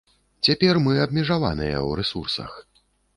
Цяпер мы абмежаваныя ў рэсурсах.